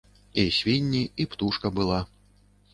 І свінні, і птушка была.